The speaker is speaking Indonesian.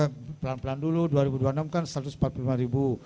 karena pelan pelan dulu dua ribu dua puluh enam kan satu ratus empat puluh lima ribu